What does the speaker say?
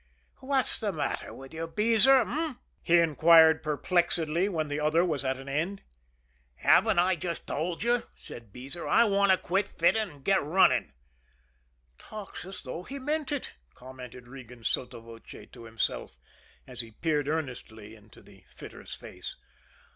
"What's the matter with you, Beezer, h'm?" he inquired perplexedly, when the other was at an end. "Haven't I just told you?" said Beezer. "I want to quit fitting and get running." "Talks as though he meant it," commented Regan sotto voce to himself, as he peered earnestly into the fitter's face.